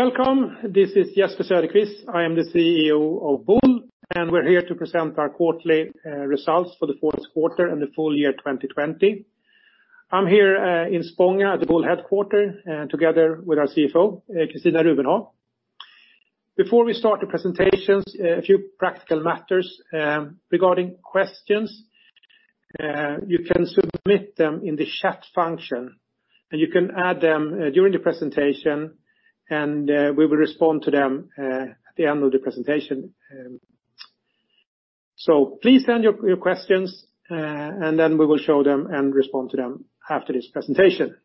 Welcome. This is Jesper Söderqvist. I am the CEO of Boule. We're here to present our quarterly results for the fourth quarter and the full year 2020. I'm here in Spånga at the Boule headquarter, together with our CFO, Christina Rubenhag. Before we start the presentations, a few practical matters regarding questions. You can submit them in the chat function. You can add them during the presentation. We will respond to them at the end of the presentation. Please send your questions, and then we will show them and respond to them after this presentation.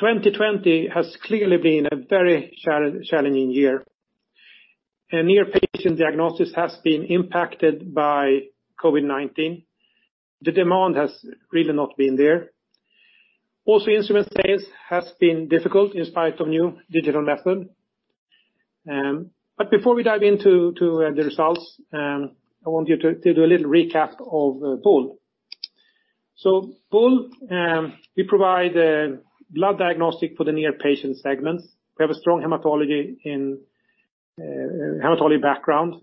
2020 has clearly been a very challenging year. Near patient diagnosis has been impacted by COVID-19. The demand has really not been there. Also, instrument sales have been difficult in spite of new digital method. Before we dive into the results, I want you to do a little recap of Boule. Boule, we provide blood diagnostic for the near patient segments. We have a strong hematology background.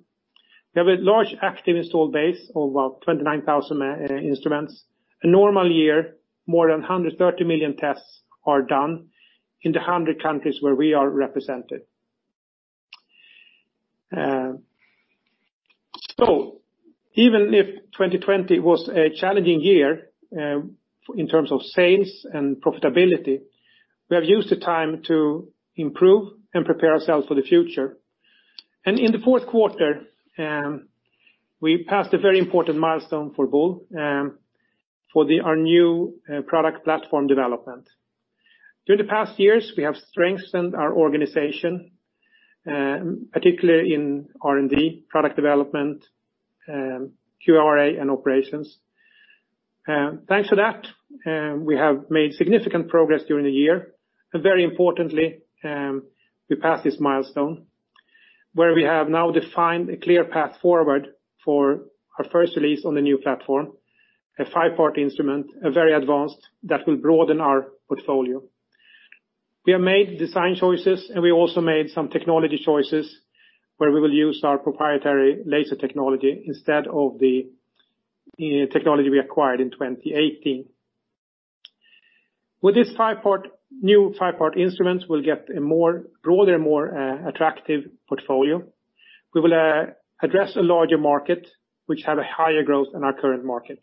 We have a large active installed base of about 29,000 instruments. In a normal year, more than 130 million tests are done in the 100 countries where we are represented. Even if 2020 was a challenging year in terms of sales and profitability, we have used the time to improve and prepare ourselves for the future. In the fourth quarter, we passed a very important milestone for Boule, for our new product platform development. Through the past years, we have strengthened our organization, particularly in R&D, product development, QARA, and operations. Thanks to that, we have made significant progress during the year. Very importantly, we passed this milestone where we have now defined a clear path forward for our first release on the new platform, a five-part instrument, a very advanced, that will broaden our portfolio. We have made design choices. We also made some technology choices where we will use our proprietary laser technology instead of the technology we acquired in 2018. With this new five-part instrument, we'll get a broader, more attractive portfolio. We will address a larger market, which have a higher growth than our current market.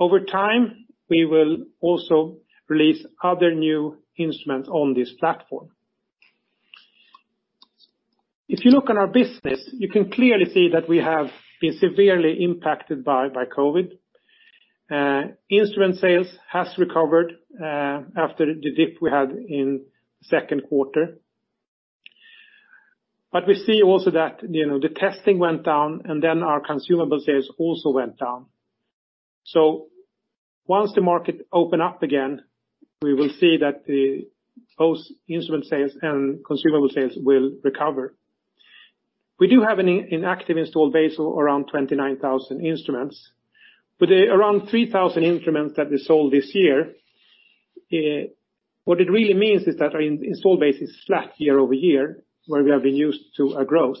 Over time, we will also release other new instruments on this platform. If you look at our business, you can clearly see that we have been severely impacted by COVID. Instrument sales has recovered after the dip we had in second quarter. We see also that the testing went down, and our consumable sales also went down. Once the market open up again, we will see that both instrument sales and consumable sales will recover. We do have an active installed base of around 29,000 instruments. With around 3,000 instruments that we sold this year, what it really means is that our install base is flat year-over-year, where we have been used to a growth.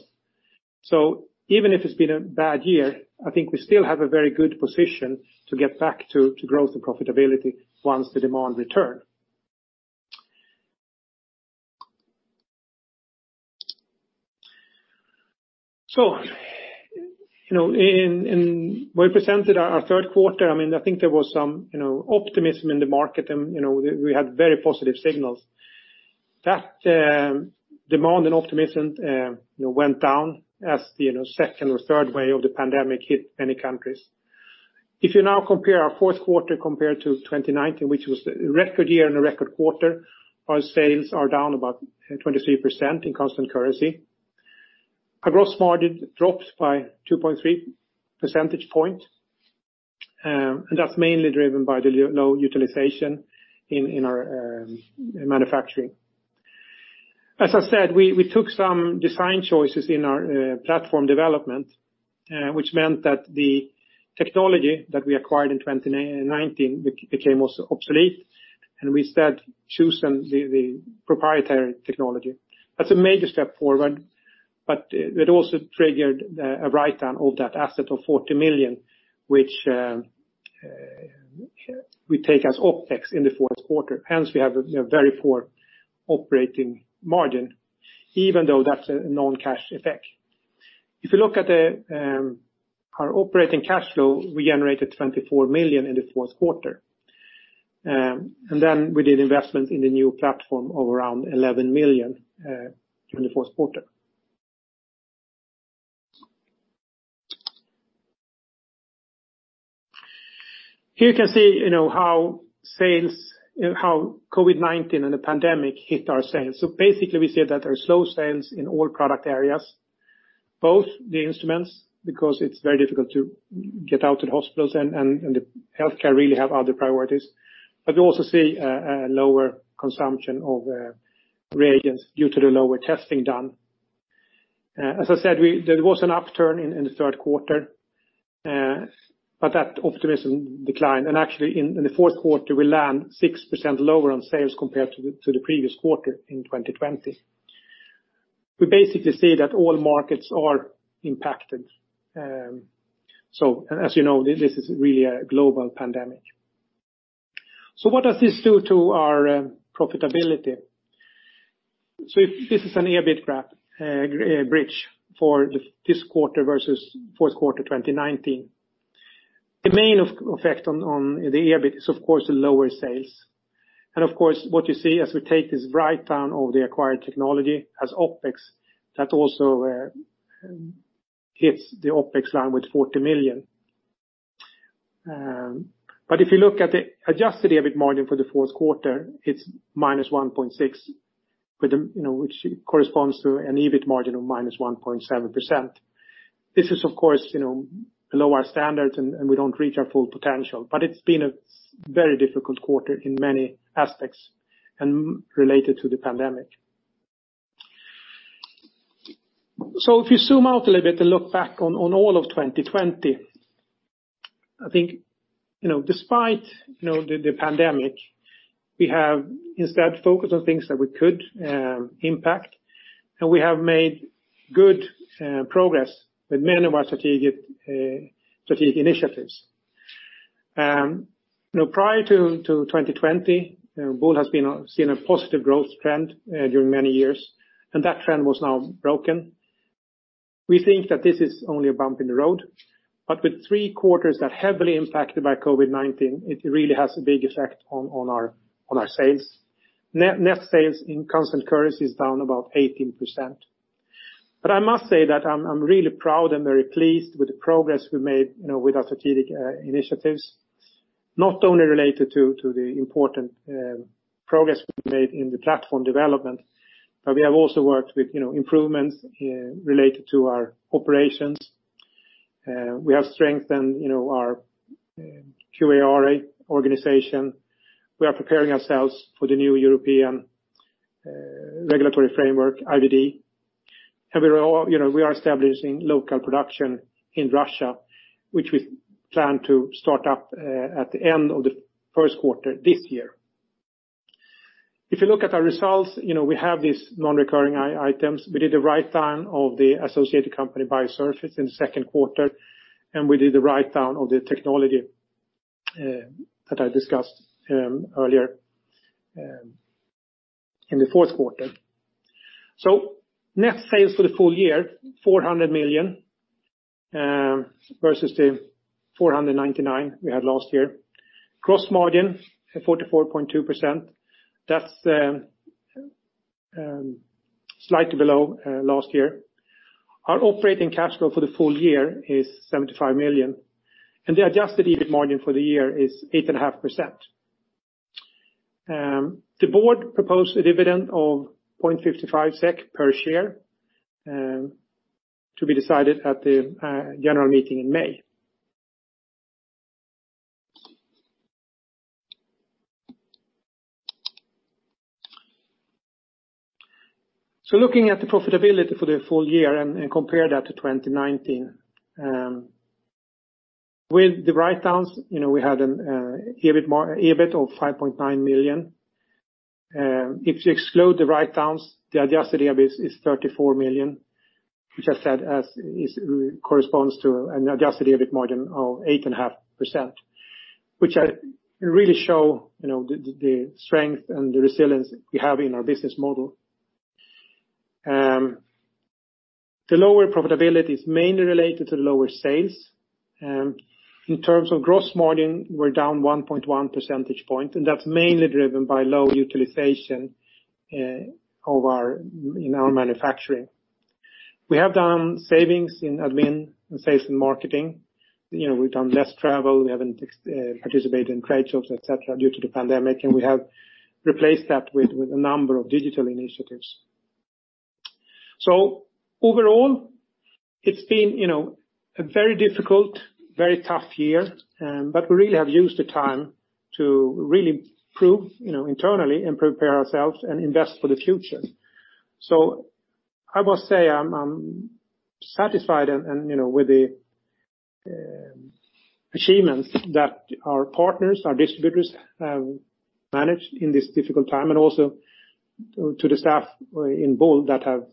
Even if it's been a bad year, I think we still have a very good position to get back to growth and profitability once the demand return. When we presented our third quarter, I think there was some optimism in the market, and we had very positive signals. That demand and optimism went down as the second or third wave of the pandemic hit many countries. If you now compare our fourth quarter compared to 2019, which was a record year and a record quarter, our sales are down about 23% in constant currency. Our gross margin dropped by 2.3 percentage point, and that's mainly driven by the low utilization in our manufacturing. As I said, we took some design choices in our platform development, which meant that the technology that we acquired in 2019 became obsolete, and we instead chosen the proprietary technology. That's a major step forward, but it also triggered a write-down of that asset of 40 million, which we take as OpEx in the fourth quarter. Hence, we have a very poor operating margin, even though that's a non-cash effect. If you look at our operating cash flow, we generated 24 million in the fourth quarter. We did investment in the new platform of around 11 million during the fourth quarter. Here you can see how COVID-19 and the pandemic hit our sales. We see that there's low sales in all product areas, both the instruments, because it's very difficult to get out to the hospitals and the healthcare really have other priorities. We also see a lower consumption of reagents due to the lower testing done. As I said, there was an upturn in the third quarter, but that optimism declined. In the fourth quarter, we land 6% lower on sales compared to the previous quarter in 2020. We basically see that all markets are impacted. As you know, this is really a global pandemic. What does this do to our profitability? This is an EBIT bridge for this quarter versus fourth quarter 2019. The main effect on the EBIT is, of course, the lower sales. Of course, what you see as we take this write-down of the acquired technology as OpEx, that also hits the OpEx line with 40 million. If you look at the adjusted EBIT margin for the fourth quarter, it's -1.6%, which corresponds to an EBIT margin of -1.7%. This is of course below our standards, and we don't reach our full potential. It's been a very difficult quarter in many aspects and related to the pandemic. If you zoom out a little bit and look back on all of 2020, I think despite the pandemic, we have instead focused on things that we could impact, and we have made good progress with many of our strategic initiatives. Prior to 2020, Boule has seen a positive growth trend during many years. That trend was now broken. We think that this is only a bump in the road. With three quarters that are heavily impacted by COVID-19, it really has a big effect on our sales. Net sales in constant currency is down about 18%. I must say that I'm really proud and very pleased with the progress we made with our strategic initiatives, not only related to the important progress we made in the platform development, we have also worked with improvements related to our operations. We have strengthened our QARA organization. We are preparing ourselves for the new European regulatory framework, IVDR. We are establishing local production in Russia, which we plan to start up at the end of the first quarter this year. If you look at our results, we have these non-recurring items. We did the write-down of the associated company Biosurfit in the second quarter, and we did the write-down of the technology that I discussed earlier in the fourth quarter. Net sales for the full year, 400 million, versus the 499 million we had last year. Gross margin of 44.2%. That's slightly below last year. Our operating cash flow for the full year is 75 million, and the adjusted EBIT margin for the year is 8.5%. The board proposed a dividend of 0.55 SEK per share to be decided at the annual meeting in May. Looking at the profitability for the full year and compare that to 2019. With the write-downs, we had an EBIT of 5.9 million. If you exclude the write-downs, the adjusted EBIT is 34 million, which I said corresponds to an adjusted EBIT margin of 8.5%, which really show the strength and the resilience we have in our business model. The lower profitability is mainly related to the lower sales. In terms of gross margin, we're down 1.1 percentage point. That's mainly driven by low utilization in our manufacturing. We have done savings in admin and sales and marketing. We've done less travel, we haven't participated in trade shows, et cetera, due to the pandemic. We have replaced that with a number of digital initiatives. Overall, it's been a very difficult, very tough year. We really have used the time to really improve internally and prepare ourselves and invest for the future. I must say I'm satisfied with the achievements that our partners, our distributors have managed in this difficult time, and also to the staff in Boule that have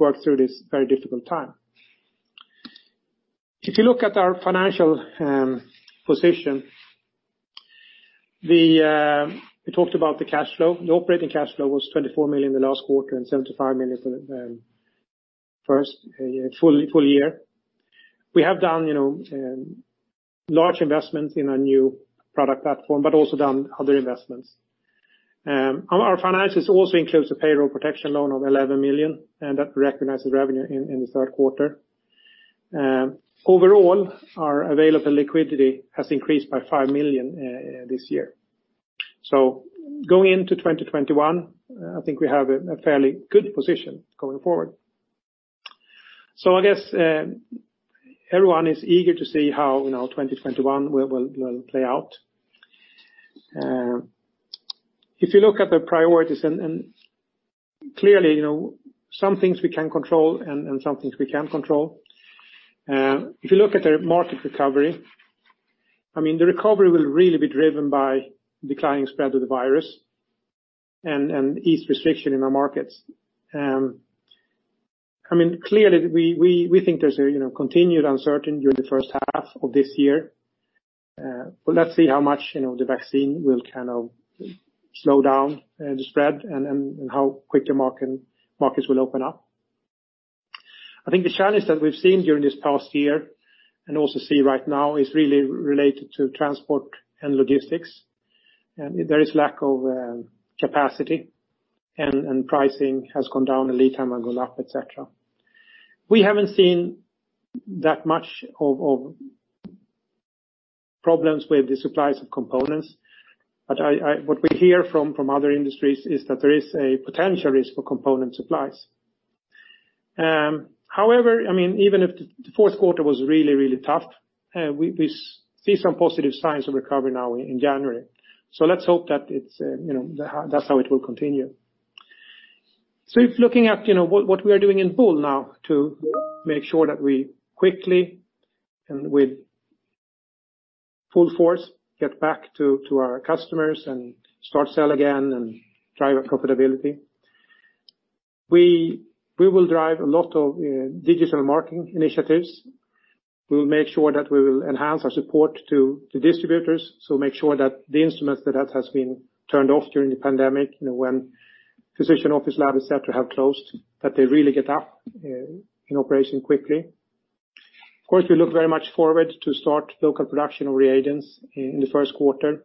worked through this very difficult time. If you look at our financial position, we talked about the cash flow. The operating cash flow was 24 million in the last quarter and 75 million for the first full year. We have done large investments in our new product platform, but also done other investments. Our finances also includes a payroll protection loan of 11 million, and that recognizes revenue in the third quarter. Overall, our available liquidity has increased by 5 million this year. Going into 2021, I think we have a fairly good position going forward. I guess everyone is eager to see how 2021 will play out. If you look at the priorities, and clearly some things we can control and some things we can't control. If you look at the market recovery, the recovery will really be driven by declining spread of the virus and ease restriction in our markets. Clearly we think there's a continued uncertainty during the first half of this year. Let's see how much the vaccine will slow down the spread and how quick the markets will open up. I think the challenge that we've seen during this past year and also see right now is really related to transport and logistics. There is lack of capacity and pricing has gone down and lead time has gone up, et cetera. We haven't seen that much of problems with the supplies of components, but what we hear from other industries is that there is a potential risk for component supplies. However, even if the fourth quarter was really tough, we see some positive signs of recovery now in January. Let's hope that's how it will continue. If looking at what we are doing in Boule now to make sure that we quickly and with full force get back to our customers and start sell again and drive up profitability. We will drive a lot of digital marketing initiatives. We'll make sure that we will enhance our support to distributors, make sure that the instruments that has been turned off during the pandemic, when physician office labs et cetera have closed, that they really get up in operation quickly. We look very much forward to start local production of reagents in the first quarter.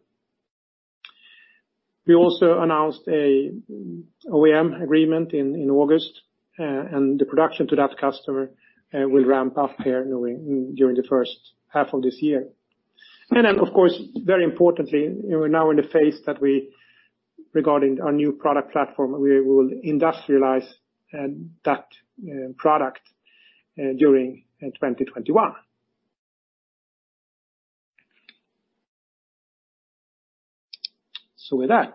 We also announced an OEM agreement in August, the production to that customer will ramp up here during the first half of this year. Of course, very importantly, we're now in the phase that we, regarding our new product platform, we will industrialize that product during 2021. With that,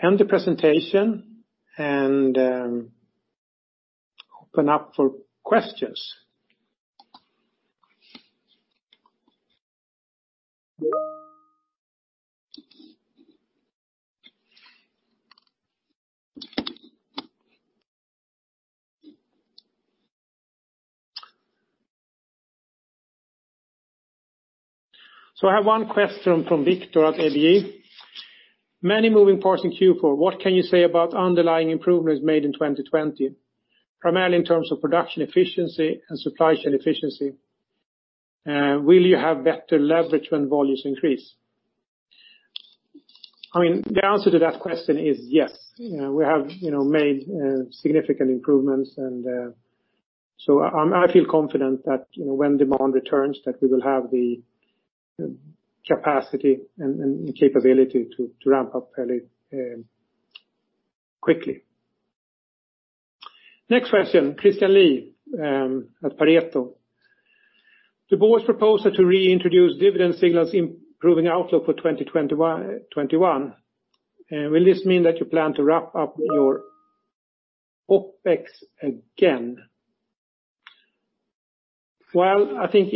we end the presentation and open up for questions. I have one question from Victor at ABG. Many moving parts in Q4. What can you say about underlying improvements made in 2020, primarily in terms of production efficiency and supply chain efficiency? Will you have better leverage when volumes increase? The answer to that question is yes. We have made significant improvements. I feel confident that when demand returns, that we will have the capacity and capability to ramp up fairly quickly. Next question, Christian Lee at Pareto. The board's proposal to reintroduce dividend signals improving outlook for 2021. Will this mean that you plan to wrap up your OpEx again? Well, I think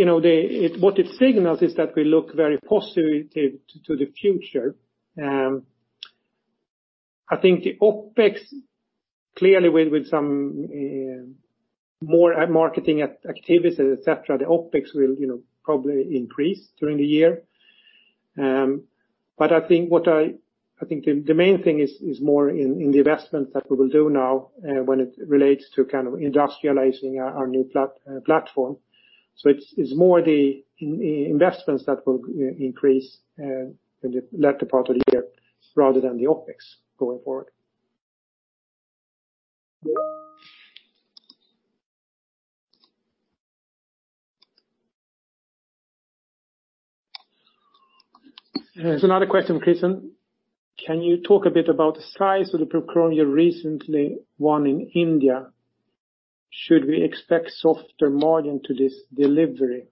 what it signals is that we look very positive to the future. I think the OpEx clearly with some more marketing activities, et cetera, the OpEx will probably increase during the year. I think the main thing is more in the investments that we will do now when it relates to industrializing our new platform. It's more the investments that will increase in the latter part of the year rather than the OpEx going forward. There's another question, Christian. Can you talk a bit about the size of the procurement you recently won in India? Should we expect softer margin to this delivery?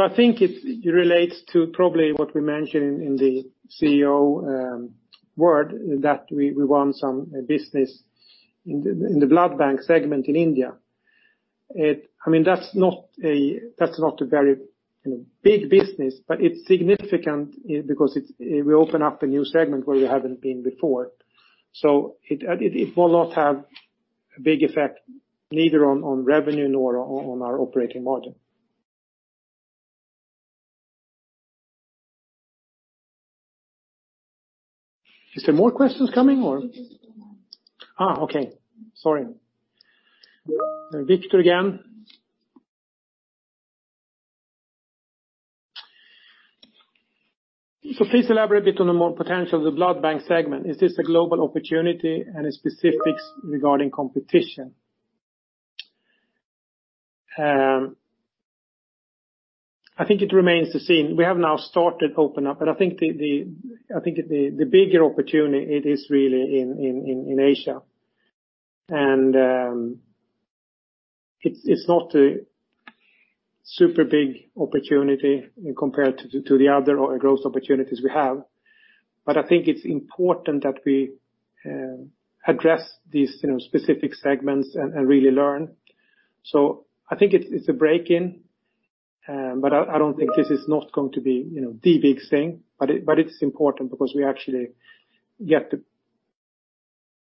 I think it relates to probably what we mentioned in the CEO word, that we won some business in the blood bank segment in India. That's not a very big business, but it's significant because we open up a new segment where we haven't been before. It will not have a big effect neither on revenue nor on our operating margin. Is there more questions coming or? Just one. Okay. Sorry. Victor again. Please elaborate a bit on the potential of the blood bank segment. Is this a global opportunity and specifics regarding competition? I think it remains the same. We have now started open up, but I think the bigger opportunity is really in Asia. It's not a super big opportunity compared to the other growth opportunities we have. I think it's important that we address these specific segments and really learn. I think it's a break-in, but I don't think this is not going to be the big thing, but it's important because we actually get a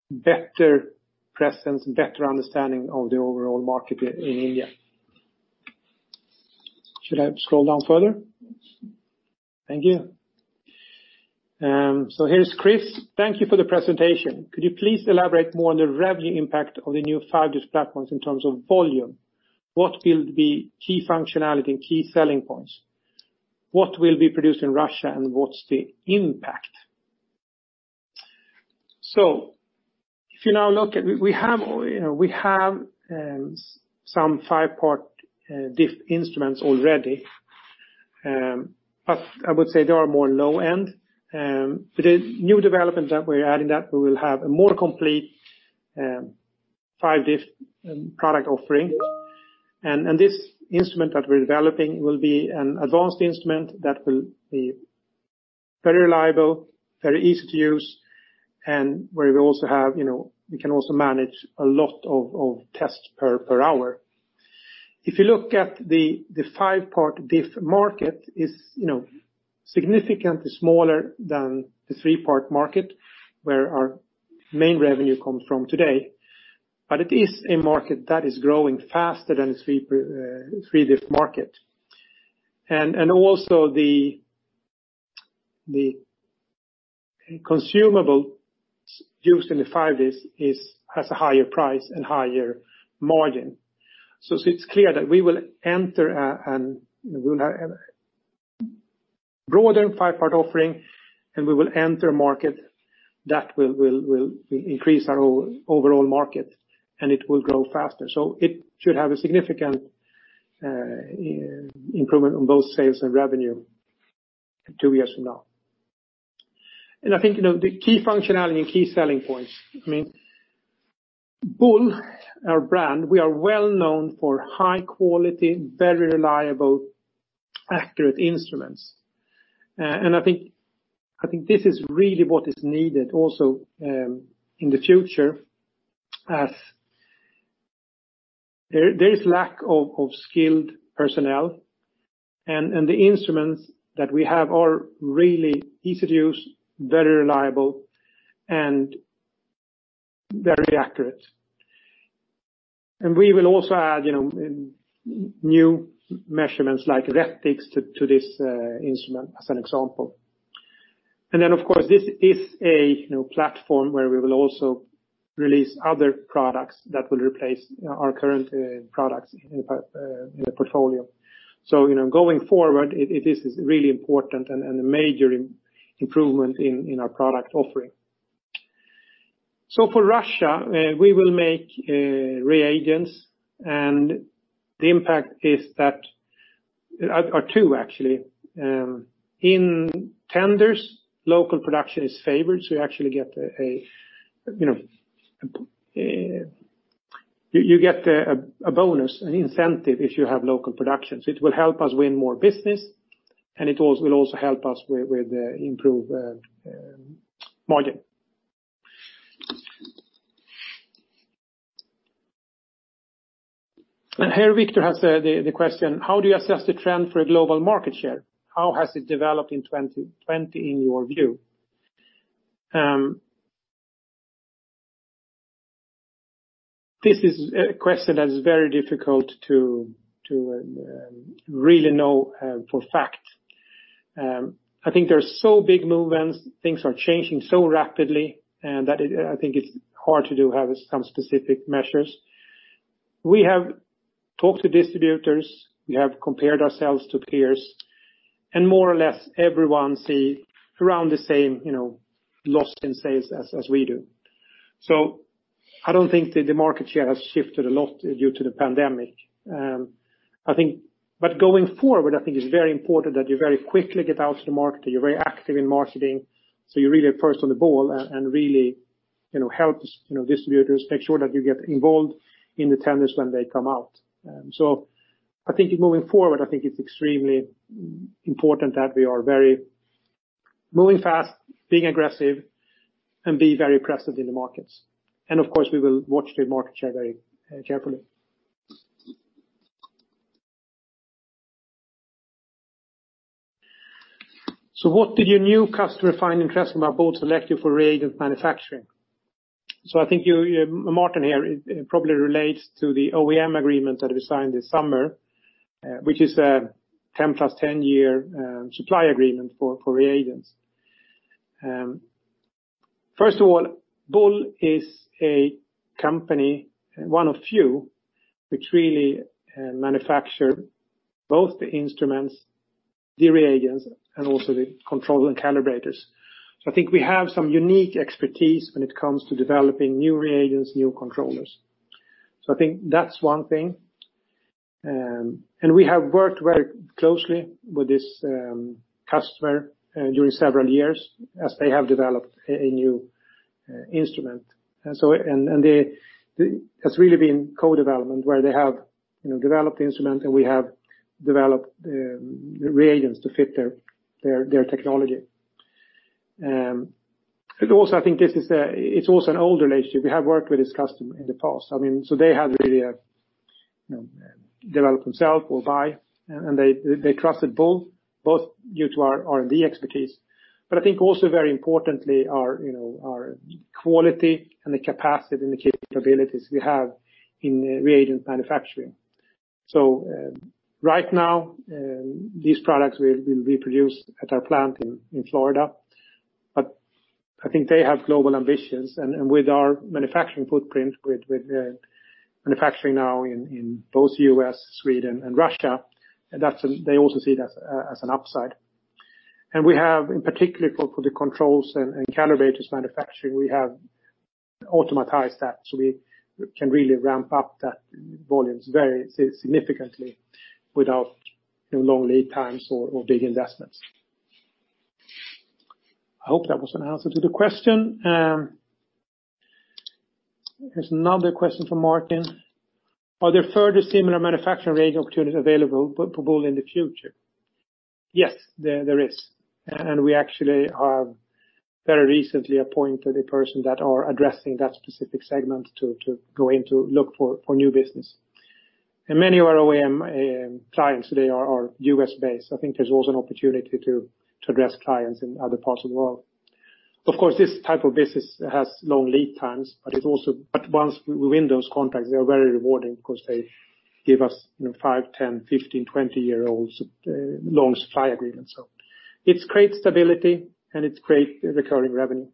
better presence, better understanding of the overall market in India. Should I scroll down further? Thank you. Here's Chris. Thank you for the presentation. Could you please elaborate more on the revenue impact of the new five-diff platforms in terms of volume? What will be key functionality and key selling points? What will be produced in Russia, and what's the impact? We have some five-part diff instruments already. I would say they are more low-end. With the new development that we're adding that we will have a more complete five-diff product offering. This instrument that we're developing will be an advanced instrument that will be very reliable, very easy to use, and where we can also manage a lot of tests per hour. If you look at the five-part diff market is significantly smaller than the three-part market where our main revenue comes from today. It is a market that is growing faster than three-diff market. Also the consumable used in the five-diff has a higher price and higher margin. It's clear that we will enter, and we will have a broader five-part offering, and we will enter a market that will increase our overall market, and it will grow faster. It should have a significant improvement on both sales and revenue two years from now. I think, the key functionality and key selling points. I mean, Boule, our brand, we are well-known for high quality, very reliable, accurate instruments. I think this is really what is needed also in the future as there is lack of skilled personnel, and the instruments that we have are really easy to use, very reliable and very accurate. We will also add new measurements like reticulocytes to this instrument as an example. Then, of course, this is a platform where we will also release other products that will replace our current products in the portfolio. Going forward, it is really important and a major improvement in our product offering. For Russia, we will make reagents, and the impact are two actually. In tenders, local production is favored, so you actually get a bonus, an incentive if you have local production. It will help us win more business, and it will also help us with improved margin. Here Victor has the question, how do you assess the trend for a global market share? How has it developed in 2020 in your view? This is a question that is very difficult to really know for a fact. I think there are so big movements, things are changing so rapidly, and that I think it's hard to have some specific measures. We have talked to distributors. We have compared ourselves to peers. More or less everyone see around the same loss in sales as we do. I don't think the market share has shifted a lot due to the pandemic. Going forward, I think it's very important that you very quickly get out to the market, that you're very active in marketing. You're really first on the ball and really helps distributors make sure that you get involved in the tenders when they come out. I think moving forward, I think it's extremely important that we are moving fast, being aggressive, and be very present in the markets. Of course, we will watch the market share very carefully. What did your new customer find interesting about Boule selected for reagent manufacturing? I think you, Martin here, it probably relates to the OEM agreement that we signed this summer, which is a 10 plus 10-year supply agreement for reagents. First of all, Boule is a company, one of few, which really manufacture both the instruments, the reagents, and also the controls and calibrators. I think we have some unique expertise when it comes to developing new reagents, new controls. I think that's one thing. We have worked very closely with this customer during several years as they have developed a new instrument. It has really been co-development where they have developed the instrument, and we have developed the reagents to fit their technology. It's also an old relationship. We have worked with this customer in the past. They have really developed themselves or buy, and they trusted both due to our R&D expertise, but I think also very importantly, our quality and the capacity and the capabilities we have in reagent manufacturing. Right now, these products will be produced at our plant in Florida. I think they have global ambitions, and with our manufacturing footprint, with manufacturing now in both U.S., Sweden, and Russia, they also see that as an upside. We have, in particular for the controls and calibrators manufacturing, we have automatized that, so we can really ramp up that volumes very significantly without long lead times or big investments. I hope that was an answer to the question. Here's another question from Martin. Are there further similar manufacturing reagent opportunities available for Boule in the future? Yes, there is. We actually have very recently appointed a person that are addressing that specific segment to go in to look for new business. Many of our OEM clients today are US-based. I think there's also an opportunity to address clients in other parts of the world. Of course, this type of business has long lead times, but once we win those contracts, they are very rewarding because they give us five, 10 years, 15 years, 20-year-old long supply agreements. It creates stability, and it creates recurring revenue.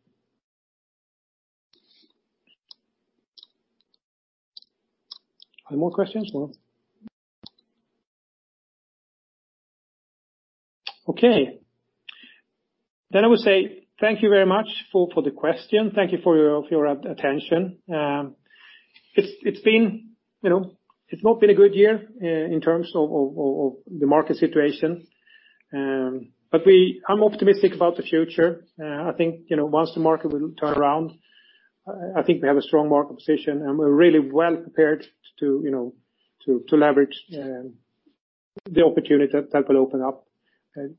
Any more questions? No. Okay. I would say thank you very much for the question. Thank you for your attention. It's not been a good year in terms of the market situation. I'm optimistic about the future. I think once the market will turn around, I think we have a strong market position, and we're really well prepared to leverage the opportunity that will open up,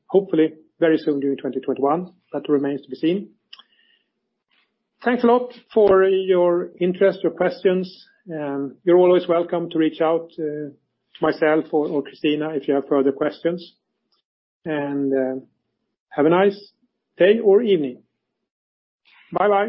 hopefully very soon during 2021. That remains to be seen. Thanks a lot for your interest, your questions. You're always welcome to reach out to myself or Christina if you have further questions. Have a nice day or evening. Bye-bye.